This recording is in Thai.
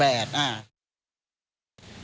แล้วมันสิ้นสุดตอนปี๒๕๔๘